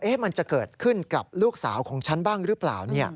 มันจะเกิดขึ้นกับลูกสาวของฉันบ้างหรือเปล่า